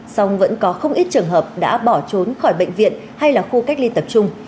song vẫn có không ít trường hợp đã bỏ trốn khỏi bệnh viện hay là khu cách ly tập trung